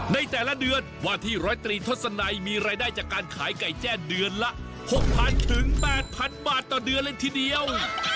ในแต่ละเดือนว่าที่ร้อยตรีทศนัยมีรายได้จากการขายไก่แจ้เดือนละ๖๐๐๐ถึง๘๐๐บาทต่อเดือนเลยทีเดียว